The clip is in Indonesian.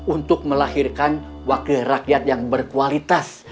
untuk melahirkan wakil rakyat yang berkualitas